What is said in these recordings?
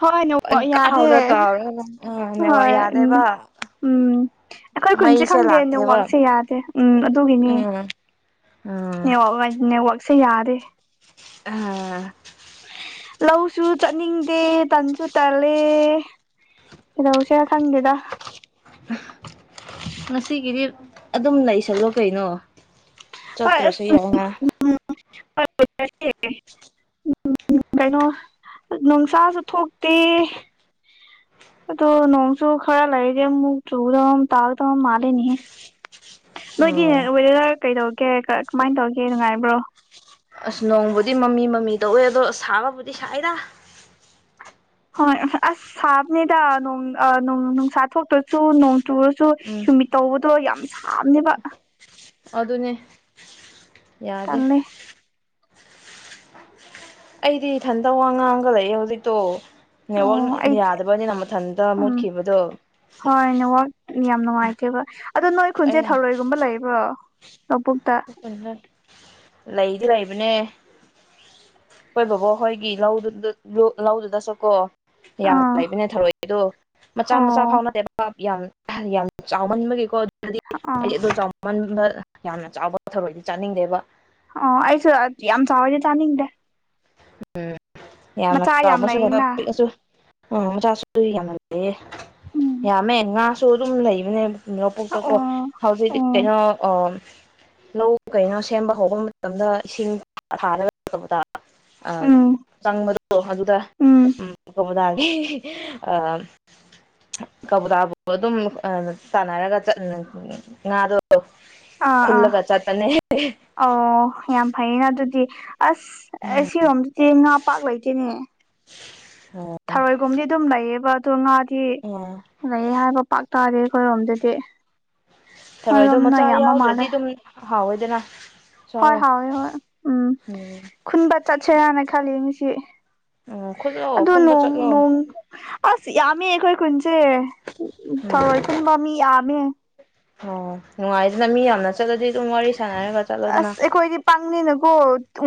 ꯍꯣꯏ ꯅꯦꯠꯋꯥꯛ ꯌꯥꯗꯦ ꯄꯪꯀꯥꯎꯗ [unintelligible] ꯅꯦꯠꯋꯥꯛ ꯍꯣꯏ ꯎꯝ ꯌꯥꯗꯦꯕ꯫ ꯎꯝ ꯑꯩꯈꯣꯏ ꯈꯨꯟꯁꯦ ꯃꯩꯁꯦ ꯈꯪꯗꯦ ꯂꯥꯛꯇꯦꯕ ꯅꯦꯋꯥꯛꯁꯦ ꯌꯥꯗꯦ ꯎꯝ ꯑꯗꯨꯒꯤꯅꯦ꯫ ꯎꯝ ꯎꯝ [unintelligible] ꯅꯦꯋꯥꯛꯁꯦ ꯌꯥꯗꯦ꯫ ꯑꯍꯥ ꯂꯧꯁꯨ ꯆꯠꯅꯤꯡꯗꯦ ꯇꯟꯁꯨ ꯇꯜꯂꯦ꯫ ꯀꯩꯗꯧꯁꯦꯔꯥ ꯈꯪꯒꯦꯗ꯫ ꯉꯁꯤꯒꯤꯗꯤ ꯑꯗꯨꯝ ꯂꯩꯁꯜꯂꯣ ꯀꯩꯅꯣ꯫ ꯍꯣꯏ ꯆꯠꯇ꯭ꯔꯁꯨ ꯑꯁ ꯌꯥꯏꯅ꯫ [inaudible] [inaudible] ꯎꯝ ꯀꯩꯅꯣ ꯅꯣꯡꯁꯥꯁꯨ ꯊꯣꯛꯇꯦ꯫ ꯑꯗꯣ ꯅꯣꯡꯁꯨ ꯈ꯭ꯔꯥ ꯂꯩꯔꯗꯤ ꯑꯃꯨꯛ ꯆꯨꯒꯗꯝ ꯇꯥꯒꯗꯝ ꯃꯥꯂꯦꯅꯦꯍꯦ꯫ ꯅꯣꯏꯗꯤ ꯑꯣ ꯋꯦꯗꯔ ꯀꯩꯗꯧꯒꯦ ꯀꯥ ꯀꯃꯥꯏꯅ ꯇꯧꯒꯦ ꯅꯨꯡꯉꯥꯏꯕ꯭ꯔꯣ꯫ ꯑꯁ ꯅꯣꯡꯕꯨꯗꯤ ꯃꯃꯤ ꯃꯃꯤ ꯇꯧꯋꯦ ꯑꯗꯣ ꯁꯥꯕꯕꯨꯗꯤ ꯁꯥꯏꯗ꯫ ꯍꯣꯏ ꯑꯁ ꯁꯥꯕꯅꯤꯗꯥ ꯅꯣꯡ ꯑꯥ ꯅꯣꯡ ꯅꯨꯡꯁꯥ ꯊꯣꯛꯇ꯭ꯔꯁꯨ ꯅꯣꯡ ꯇꯨꯔꯁꯨ ꯎꯝ ꯍꯨꯃꯤꯠ ꯇꯧꯕꯗꯣ ꯌꯥꯝ ꯁꯥꯕꯅꯦꯕ ꯑꯗꯨꯅꯦ ꯌꯥꯗꯦ꯫ ꯇꯜꯂꯦ ꯑꯩꯗꯤ ꯏꯊꯟꯇ ꯋꯥ ꯉꯥꯡꯉꯥꯒ ꯂꯩꯌꯦ ꯍꯧꯖꯤꯛꯇꯣ꯫ ꯅꯦꯠꯋꯥꯛ ꯑꯣ ꯑꯩ ꯌꯥꯗꯕꯅꯤꯅ ꯃꯊꯟꯇ ꯎꯝ ꯃꯨꯠꯈꯤꯕꯗꯣ ꯍꯤꯛ ꯍꯣꯏ ꯅꯦꯠꯋꯥꯛ ꯌꯥꯝ ꯅꯨꯡꯉꯥꯏꯇꯦꯕ ꯑꯗꯣ ꯅꯣꯏ ꯈꯨꯟꯖꯦ ꯊꯧꯔꯣꯏꯒꯨꯝꯕ ꯂꯩꯕ꯭ꯔꯣ꯫ ꯂꯧ ꯄꯨꯛꯇ꯫ ꯂꯩꯗꯤ ꯂꯩꯕꯅꯦ꯫ ꯍꯣꯏ ꯕꯣꯕꯣ ꯍꯣꯏꯒꯤ ꯂꯧꯗꯨꯗ ꯂꯨ ꯂꯧꯗꯨꯗꯁꯨꯀꯣ ꯌꯥꯝꯅ ꯑꯥ ꯂꯩꯕꯅꯦ ꯊꯧꯔꯣꯏꯗꯣ ꯃꯆꯥ ꯃꯆꯥ ꯑꯣ ꯐꯥꯎꯅꯗꯦꯕ ꯌꯥꯝ ꯌꯥꯝ ꯆꯥꯎꯃꯟꯕꯒꯤꯀꯣ ꯑꯗꯨꯗꯤ ꯑꯥ ꯑꯩꯗꯤ ꯑꯗꯣ ꯆꯥꯎꯃꯟꯕ ꯌꯥꯝꯅ ꯫ ꯆꯥꯎꯕ ꯊꯧꯔꯣꯏꯗꯤ ꯆꯥꯅꯤꯡꯗꯦꯕ꯫ ꯑꯣ ꯑꯩꯁꯨ ꯑꯥ ꯌꯥꯝ ꯆꯥꯎꯔꯗꯤ ꯆꯥꯅꯤꯡꯗꯦ꯫ ꯎꯝ ꯌꯥꯝꯅ ꯃꯆꯥ ꯌꯥꯝ ꯆꯥꯎꯕꯁꯨ ꯂꯩꯅ [inaudible] ꯄꯤꯛꯁꯨ ꯎꯝ ꯃꯆꯥꯁꯨ ꯌꯥꯝꯃꯜꯂꯦ ꯎꯝ ꯌꯥꯝꯃꯦ ꯉꯥꯁꯨ ꯑꯗꯨꯝ ꯂꯩꯕꯅꯦꯕ ꯑꯣ ꯂꯧꯄꯨꯛꯇꯀꯣ ꯑꯣ ꯍꯧꯖꯤꯛꯇꯤ ꯀꯩꯅꯣ ꯑꯥ ꯂꯧ ꯀꯩꯅꯣ ꯁꯦꯝꯕ ꯍꯧꯕ ꯃꯇꯝꯗ ꯏꯁꯤꯡ [unintelligible] ꯑ ꯎꯝ ꯆꯪꯕꯗꯣ ꯑꯗꯨꯗ ꯎꯝ [unintelligible] ꯑ ꯀꯕꯨꯇꯥꯕꯨ ꯑꯗꯨꯝ ꯇꯥꯟꯅꯔꯒ ꯉꯥꯗꯣ ꯑꯥ ꯑꯥ ꯈꯨꯜꯂꯒ ꯆꯥꯇꯅꯦ ꯑꯣ ꯌꯥꯝ ꯐꯩꯌꯦꯅ ꯑꯗꯨꯗꯤ ꯑꯁ ꯁꯤꯔꯣꯝꯗꯗꯤ ꯉꯥ ꯄ ꯂꯩꯇꯦꯅꯦ ꯑꯣ ꯊꯔꯣꯏꯒꯨꯝꯗꯤ ꯑꯗꯨꯝ ꯂꯩꯌꯦꯕ ꯑꯣ ꯉꯥꯗꯤ ꯎꯝ ꯂꯩ ꯍꯥꯏꯕ ꯄꯥꯛ ꯇꯥꯔꯦ ꯑꯩꯈꯣꯏꯔꯣꯝꯗꯗꯤ ꯊꯔꯣꯏ ꯑꯗꯣ ꯅꯣꯏꯔꯣꯝꯅ ꯃꯆꯥ ꯌꯥꯝꯕ ꯃꯥꯜꯂꯦ ꯌꯥꯎꯗ꯭ꯔꯗꯤ ꯑꯗꯨꯝ ꯍꯥꯎꯋꯦꯗꯅ ꯍꯣꯏ ꯆꯥꯎꯋꯣ ꯍꯣꯏ ꯍꯣꯏ ꯎꯝ ꯈꯨꯟꯕ ꯆꯠꯁꯔꯅ ꯈꯜꯂꯤ ꯃꯤꯁꯤ ꯎꯝ ꯈꯨꯜꯂꯣ ꯈꯨꯟꯕ ꯑꯗꯨꯗꯅꯣꯡ ꯆꯠꯂꯣ ꯅꯣꯡ ꯑꯁ ꯌꯥꯝꯃꯦ ꯑꯩꯈꯣꯏ ꯈꯨꯟꯁꯦ ꯊꯔꯣꯏ ꯈꯨꯟꯕ ꯃꯤ ꯌꯥꯝꯃꯦ ꯑ ꯅꯅꯨꯡ ꯑꯥꯏꯗꯅ ꯃꯤ ꯑꯅ ꯑꯁ ꯑꯩꯈꯣꯏꯗꯤ ꯄꯥꯡꯅꯤꯅꯀꯣ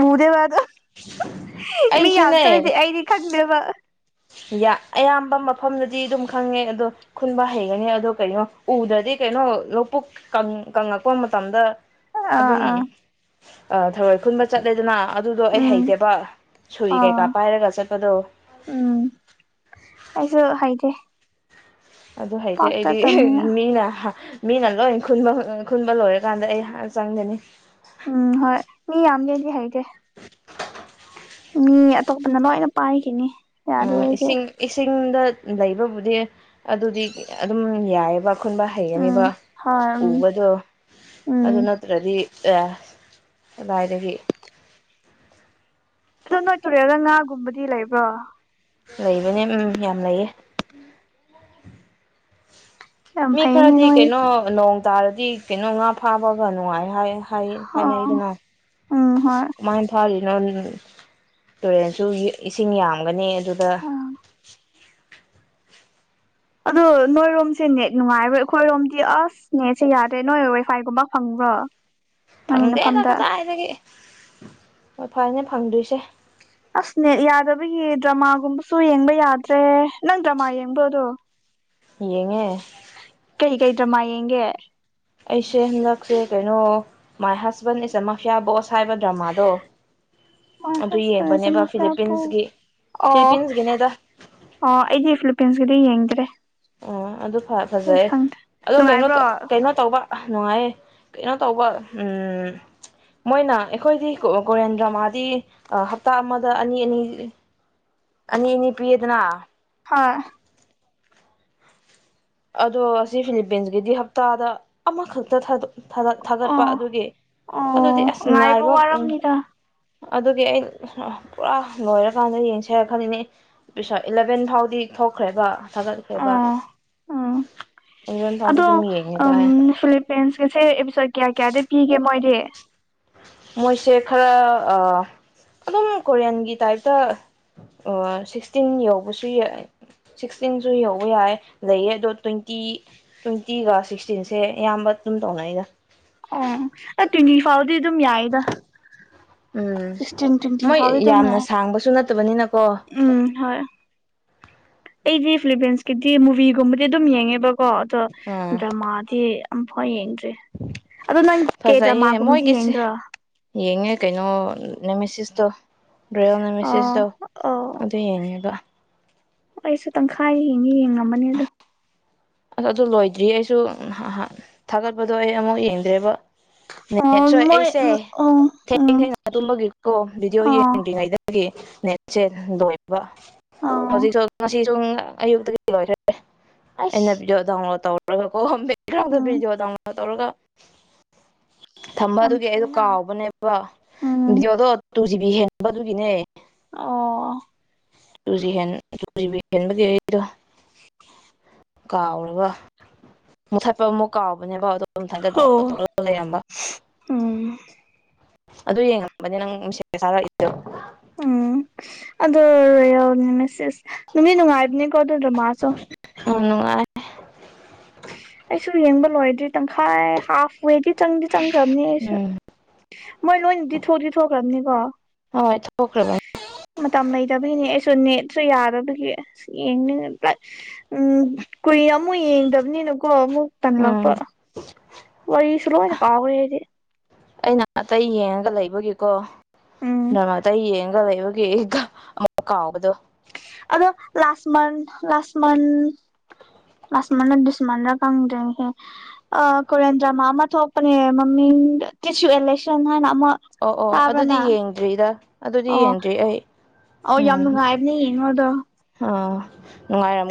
ꯎꯗꯦꯕ ꯑꯗꯣ ꯃꯤ ꯌꯥꯝ ꯆꯠꯂꯗꯦ ꯑꯩꯗꯤ ꯈꯟꯕꯕ ꯌꯥ ꯑꯌꯥꯝꯕ ꯃꯐꯝꯗꯗꯤ ꯑꯗꯨꯝ ꯈꯪꯉꯦ ꯑꯗꯣ ꯈꯨꯟꯕ ꯍꯩꯒꯅꯤ ꯑꯗꯣ ꯀꯔꯤꯅꯣ ꯎꯗ꯭ꯔꯗꯤ ꯀꯩꯅꯣ ꯂꯧꯕꯨꯛ ꯀꯪꯉꯛꯄ ꯃꯇꯝꯗ ꯑꯥ ꯑꯗꯨꯝ ꯑꯥ ꯊꯔꯣꯏ ꯈꯨꯟꯕ ꯆꯠꯂꯦꯗꯅ ꯑꯗꯨꯗꯣ ꯑꯩ ꯎꯝ ꯍꯩꯇꯦꯕ ꯁꯨꯔꯤ ꯑꯥ ꯀꯩꯀꯥ ꯄꯥꯏꯔꯒ ꯆꯠꯄꯗꯣ ꯎꯝ ꯑꯩꯁꯨ ꯍꯥꯏꯗꯦ ꯑꯗꯨ ꯍꯥꯏꯩꯇꯦ ꯑꯩꯗꯤ ꯃꯤꯅ ꯃꯤꯅ ꯂꯣꯏ ꯈꯨꯟꯕ ꯈꯨꯟꯕ ꯂꯣꯏꯔꯀꯥꯟꯗ ꯑꯩ ꯆꯪꯒꯅꯤ ꯎꯝ ꯍꯣꯏ ꯃꯤ ꯌꯥꯝꯒꯦꯗꯤ ꯍꯥꯏꯒꯦ ꯃꯤ ꯑꯇꯣꯞꯄꯅ ꯂꯣꯏꯅ ꯄꯥꯏꯈꯤꯅꯤ ꯑ ꯌꯥꯗꯦ ꯑꯩꯗꯤ ꯏꯁꯤꯡ ꯏꯁꯤꯡꯗ ꯂꯩꯕꯕꯨꯗꯤ ꯑꯗꯨꯗꯤ ꯑꯗꯨꯝ ꯌꯥꯏꯑꯕ ꯈꯨꯨꯟꯕ ꯎꯝ ꯍꯩꯒꯅꯤꯕ ꯍꯣꯏ ꯎꯝ ꯎꯕꯗꯣ ꯑꯗꯨ ꯎꯝ ꯅꯠꯇ꯭ꯔꯗꯤ ꯑꯦ ꯑꯗꯨꯥꯏꯕꯤ ꯟ ꯅꯣꯏ ꯇꯨꯔꯛꯑꯒ ꯉꯥꯒꯨꯝꯕꯗꯤ ꯂꯩꯕ꯭ꯔꯣ ꯂꯩꯕꯅꯦ ꯎꯝ ꯌꯥꯝ ꯂꯩꯌꯦ ꯌꯥꯝ ꯃꯤ ꯐꯩꯅꯦ ꯈꯔꯗꯤ ꯅꯣꯏ ꯀꯩꯅꯣ ꯅꯣꯡ ꯇꯥꯔꯗꯤ ꯀꯩꯅꯣ ꯉꯥ ꯐꯥꯕꯒ ꯅꯨꯡꯉꯥꯏ ꯍꯥꯏ ꯍꯥꯏ ꯑꯣ ꯍꯥꯏꯅꯩꯗꯅ ꯎꯝ ꯍꯣꯏ ꯑꯗꯨꯃꯥꯏꯅ ꯊꯔꯤ ꯇꯨꯔꯦꯟꯁꯨ ꯏꯁꯤꯡ ꯌꯥꯝꯒꯅꯤ ꯑꯗꯨꯗ ꯑꯥ ꯑꯗꯣ ꯅꯣꯏꯔꯣꯝꯁꯦ ꯅꯦꯠ ꯅꯨꯡꯉꯥꯏꯔꯣꯏ ꯑꯩꯈꯣꯏꯔꯣꯝꯗꯤ ꯑꯁ ꯅꯦꯠꯁꯦ ꯌꯥꯗ꯭ꯔꯦ ꯅꯣꯏ ꯋꯥꯏꯐꯥꯏꯒꯨꯝꯕ ꯐꯪꯕ ꯋꯥ ꯐꯪꯗꯦꯅ ꯀꯗꯥꯏꯗꯒꯤ ꯍꯣꯏ ꯐꯔꯅꯦ ꯐꯪꯗꯣꯏꯁꯦ [unintelligible] ꯑꯁꯅꯦ ꯌꯥꯗꯕꯒꯤ ꯗ꯭ꯔꯃꯥꯒꯨꯝꯕꯁꯨ ꯌꯦꯡꯕ ꯌꯥꯗ꯭ꯔꯦ ꯅꯪ ꯗ꯭ꯔꯃꯥ ꯌꯦꯡꯕꯗꯣ ꯌꯦꯉꯦ ꯍꯒꯗ꯭ꯔꯃ ꯌꯦꯦ ꯑꯩꯁꯦ ꯍꯟꯗꯛꯁꯦ ꯀꯩꯅꯣ ꯃꯥꯏ ꯍꯁꯕꯦꯟ ꯏꯁꯦ ꯃꯥꯐꯤꯌꯥ ꯕꯣꯁ ꯁꯕ ꯗ꯭ꯔꯃꯥꯗꯣ ꯃꯣꯏ ꯑꯗꯨ ꯍꯁ ꯄꯔꯦꯁꯤ ꯌꯦꯡꯕꯅꯦꯕ ꯃꯥꯄ ꯑ ꯐꯤꯂꯤꯄꯤꯟꯁꯀꯤ ꯑꯣ ꯐꯤꯂꯤꯄꯤꯟꯁꯀꯤꯅꯦꯗ ꯑꯩꯗꯤꯦ ꯐꯤꯂꯤꯄꯤꯟꯁꯒꯗꯤ ꯌꯦꯡꯦ ꯑꯣ ꯑꯗꯨ ꯐꯖꯩ ꯈꯪꯗꯦ ꯑꯗꯣ ꯀꯩꯅꯣ ꯅꯨꯡꯉꯥꯏꯕ꯭ꯔꯣ ꯀꯩꯅꯣ ꯇꯧꯕ ꯑ ꯅꯨꯡꯉꯥꯏꯌꯦ ꯀꯩꯅꯣ ꯇꯧꯕ ꯎꯝ ꯃꯣꯏꯅ ꯑꯩꯈꯣꯏꯗꯤ ꯀꯔꯦꯟ ꯗ꯭ꯔꯃꯥꯗꯤ ꯍꯞꯇꯥ ꯑꯃꯗ ꯑꯅꯤ ꯑꯅꯤ ꯑꯅꯤ ꯑꯅꯤ ꯄꯤꯌꯦꯗꯅ ꯍꯥꯥ ꯑꯗꯣ ꯑꯁꯤ ꯐꯤꯂꯤꯄꯤꯟꯁꯀꯤꯗꯤ ꯍꯞꯇꯥꯗ ꯑꯃꯈꯛꯇ ꯊꯥꯗꯣꯛ ꯊꯥꯒꯠꯄ ꯑꯣ ꯑꯗꯨꯒꯤ ꯑꯣ ꯑꯗꯨꯗꯤ ꯑꯁ ꯉꯥꯏꯕ ꯎ ꯋꯥꯔꯝꯅꯤꯗ ꯑꯗꯨꯒꯤ ꯑꯩ ꯄꯨꯔꯥ ꯂꯣꯏꯔꯀꯥꯟꯗ ꯌꯦꯡꯁꯔꯛꯈꯅꯤꯅꯦ ꯄ ꯏꯂꯚꯦꯟ ꯐꯥꯎꯗꯤ ꯊꯣꯛꯈ꯭ꯔꯦꯕ ꯊꯥꯒꯠꯈ꯭ꯔꯦꯕ ꯑꯣ ꯏꯂꯚꯦꯟ ꯐꯥꯎꯗꯤ ꯑꯗꯣ ꯑꯗꯨꯝ ꯎ ꯌꯦꯡꯉꯦꯕ ꯐꯄꯟꯁ ꯀꯁ ꯀꯌꯥ ꯀꯌꯥꯗꯤ ꯄꯤꯒꯦ ꯃꯣꯏꯗꯤ ꯃꯣꯏꯁꯦ ꯈꯔ ꯑꯗꯨꯝ ꯀꯣꯔꯤꯌꯥꯟꯒꯤ ꯇꯥꯏꯞꯇ ꯑꯣ ꯁꯤꯛꯁꯇꯤꯟ ꯌꯧꯕꯁꯨ ꯌꯥꯏ ꯁꯤꯛꯁꯇꯤꯟꯁꯨ ꯌꯧꯕ ꯌꯥꯏ ꯂꯩꯌꯦ ꯑꯗꯣ ꯇ꯭ꯋꯦꯟꯇꯤ ꯇ꯭ꯋꯦꯟꯇꯤꯒ ꯁꯤꯛꯁꯇꯤꯟꯁꯦ ꯑꯌꯥꯝꯕ ꯨꯑꯗ‍‌ꯨꯝ ꯇꯧꯅꯒ ꯑꯣ ꯑꯥ ꯇ꯭ꯋꯦꯟꯇꯤ ꯐꯥꯎꯗꯤ ꯑꯗꯨꯝ ꯌꯥꯏꯗ ꯎꯝ ꯐꯇꯤꯟ ꯇꯋꯦꯟꯤ ꯃꯣꯏ ꯐ ꯇ ꯌꯥ ꯌꯥꯝꯅ ꯁꯥꯡꯕꯁꯨ ꯅꯠꯇꯕꯅꯤꯅꯀꯣ ꯎꯝ ꯍ ꯑꯩꯗꯤ ꯐꯤꯂꯤꯚꯦꯟꯁꯀꯤꯗꯤ ꯃꯨꯚꯤꯒꯨꯝꯕꯗꯤ ꯑꯗꯨꯝ ꯌꯦꯡꯉꯦꯕꯀꯣ ꯑꯗꯣ ꯎꯝ ꯗ꯭ꯔꯃꯥꯗꯤ ꯑꯝ ꯍꯣꯏ ꯌꯦꯡꯗ꯭ꯔꯤ ꯑꯗꯣ ꯅꯪ ꯐꯖꯩꯌꯦ ꯀꯦꯗꯃꯥꯒꯨꯝꯕꯗꯤ ꯃꯣꯏꯒꯤꯁꯦ ꯌꯦꯡꯗ꯭ꯔꯥ ꯌꯦꯡꯉꯦ ꯀꯩꯅꯣ ꯅꯦꯃꯦꯦꯁꯤꯁꯇꯣ [unintelligible] ꯃꯦꯁꯦꯖ ꯑꯣ ꯇꯣ ꯑꯣ ꯑꯗꯨ ꯌꯦꯡꯉꯦꯕꯥ ꯑꯩꯁꯨ ꯇꯪꯈꯥꯏ ꯍꯡꯒꯦ ꯌꯦꯡꯉꯝꯃꯅꯤ ꯑꯗꯣ ꯑꯁ ꯑꯗꯨ ꯂꯣꯏꯗ꯭ꯔꯤ ꯑꯩꯁꯨ ꯊꯥꯒꯠꯄꯗꯣ ꯑꯩ ꯑꯃꯨꯛ ꯌꯦꯡꯗ꯭ꯔꯦꯕ ꯅꯠ ꯑꯣ ꯁꯣꯏ ꯃꯣꯏ ꯑꯩꯁꯦ ꯑꯣ ꯊꯦꯡ ꯎꯝ ꯊꯦꯡꯉ ꯑꯗꯨꯨꯝꯝꯕꯒꯤꯀꯣ ꯚꯗꯤꯑꯣ ꯑꯣ ꯌꯦꯡꯗ꯭ꯔꯤꯉꯩꯗꯒꯤ ꯅꯆꯦ ꯂꯣꯏꯕ ꯑꯣ ꯍꯧꯖꯤꯛꯁꯨ ꯉꯁꯤ [unintelligible] ꯑꯌꯨꯛꯇꯒꯤ ꯂꯣꯏꯈꯦ ꯑꯩꯅ ꯑꯩꯁ ꯚꯤꯗꯤꯑꯣ ꯗꯥꯎꯟꯂꯣꯗ ꯇꯧꯔꯒ ꯀ‌ꯣ ꯒ꯭ꯔꯥꯎꯝꯗ ꯎꯝ ꯚꯤꯗꯤꯑꯣ ꯗꯥꯎꯟꯂꯣꯗ ꯇꯧꯔꯒꯥ ꯊꯝꯕꯥ ꯌꯥꯝ ꯑꯗꯨꯒꯤ ꯑꯩꯗꯣ ꯊꯨꯏꯅ ꯀꯥꯎꯕꯅꯦꯕ ꯎꯝ ꯚꯗꯤꯑꯣꯗꯣ ꯇꯨ ꯖꯤꯕꯤ ꯍꯦꯟꯕꯗꯨꯒꯤꯅꯦ ꯑꯣ ꯇꯎꯖꯤ ꯍ‌ꯦꯟ ꯟꯕ ꯀꯦꯗ ꯀꯥꯎꯔꯒ ꯃꯨꯊꯠꯄ ꯑꯃꯨꯛ ꯀꯥꯎꯕꯅꯦꯕ ꯑꯗꯣ ꯑꯗꯨꯝ ꯊꯥꯒꯠ ꯑꯣ ꯂꯩꯔꯝꯕ ꯎꯝ ꯑꯗꯨ ꯌꯦꯡꯉꯝꯕꯅꯦ ꯅꯪ ꯃꯤꯁ ꯆꯥꯔꯛꯏꯗꯣ ꯎꯝ ꯑꯗꯨ ꯌꯥꯎꯅꯦ ꯃꯤꯁꯁ ꯅꯨꯃꯤꯠ ꯅꯨꯡꯉꯥꯏꯕꯅꯤꯀꯣ ꯑꯗꯨꯗ꯭ꯔ ꯃꯥꯥꯁꯨ ꯌꯥꯝ ꯅꯨꯡꯉꯥꯏꯦ ꯑꯩꯁꯨ ꯌꯦꯡꯕ ꯂꯣꯏꯗ꯭ꯔꯤ ꯇꯪꯈꯥꯏ ꯍꯥꯐ ꯋꯦꯗꯤ ꯆꯪ ꯆꯪꯈ꯭ꯔꯕꯅꯤꯁꯨ ꯎꯝ ꯃꯣꯏ ꯂꯣꯏꯅꯗꯤ ꯊꯣꯛꯗꯤ ꯊꯣꯛꯈ꯭ꯔꯕꯅꯤꯀꯣ ꯍꯣꯏ ꯊꯣꯛꯈ꯭ꯔꯕꯅꯤ ꯃꯇꯝ ꯂꯩꯇꯕꯒꯤꯅꯦ ꯑꯁ ꯅꯦꯠꯁꯨ ꯌꯥꯗꯕꯒꯤ ꯌꯦꯡꯅꯤꯡꯉ ꯂꯥꯏ ꯎꯝ ꯀꯨꯏ ꯑꯃꯨꯛ ꯌꯦꯡꯗꯕꯅꯤꯅ ꯀꯨꯛ ꯇꯟ ꯂꯄ ꯎꯝ ꯋꯥꯔꯤ ꯁꯂꯅ ꯀꯥꯎꯒ ꯍꯥꯏꯗꯤ ꯑꯩꯅ ꯑꯇꯩ ꯌꯦꯡꯉꯒ ꯂꯩꯕꯒꯤꯀꯣ ꯎꯝ ꯅꯃꯥꯇ ꯌꯦꯡꯒ ꯂꯩꯕꯒꯤꯒ ꯑꯃꯨꯛ ꯀꯥꯎꯕꯗꯣ ꯑꯗꯣ ꯂꯥꯁꯃꯟ ꯂꯥꯁꯃꯟ ꯑꯁꯃꯥꯟꯅ ꯗꯤꯁꯃꯥꯟꯗ ꯀꯪꯗ꯭ꯔꯦꯅꯤꯍꯦ ꯑ ꯀꯔꯦꯟꯗ꯭ꯔ ꯃꯥꯃ ꯊꯣꯛꯄꯅꯦ ꯃꯃꯤ ꯀ ꯏꯂꯦꯛꯁꯟ ꯍ ꯑꯃ ꯑꯣ ꯑꯣ ꯑꯗꯨꯗꯤ ꯇꯥꯕ꯭ꯔꯅ ꯌꯦꯡꯗ꯭ꯔꯤꯗ ꯑꯗꯨꯗꯤ ꯑꯣ ꯌꯦꯡꯗ꯭ꯔꯤ ꯑꯩ ꯑꯣ ꯌꯥꯝ ꯎꯝ ꯅꯨꯡꯉꯥꯏꯕꯅꯦ ꯌꯦꯡꯉꯣꯗꯣ ꯑꯥ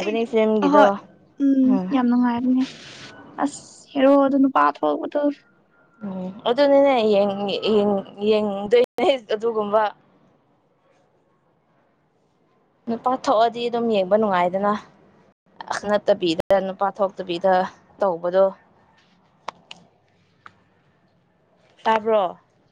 ꯑꯩꯗꯤ ꯍꯣꯏ ꯐꯤꯂꯝꯒꯤꯗꯣ ꯎꯝ ꯌꯥꯝ ꯅꯨꯡꯉꯥꯏꯔꯅꯦ ꯑꯁ ꯍꯔꯣ ꯑꯗꯨꯅ ꯄꯊ ꯍꯕꯗ ꯎꯝ ꯑꯗꯨꯅꯤꯅꯦ ꯌꯦꯡꯗꯣꯏꯅꯦ ꯑꯗꯨꯒꯨꯝꯕ ꯍ [inaudible] ꯅꯨꯄꯥ ꯊꯣꯛꯑꯗꯤ ꯑꯗꯨꯝ ꯌꯦꯡꯕ ꯅꯨꯡꯉꯥꯏꯗꯅ ꯅꯠꯇꯕꯤꯗ ꯅꯨꯄꯥ ꯊꯣꯛꯇꯕꯤꯗ ꯇꯧꯕꯗꯣ ꯇꯥꯕ꯭ꯔꯣ